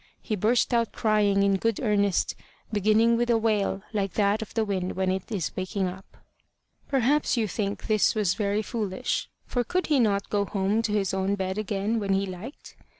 He burst out crying in good earnest, beginning with a wail like that of the wind when it is waking up. Perhaps you think this was very foolish; for could he not go home to his own bed again when he liked?